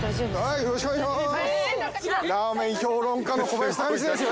よろしくお願いします。